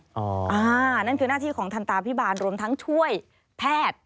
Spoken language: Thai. นั่นคือหน้าที่ของทันตาพิบาลรวมทั้งช่วยแพทย์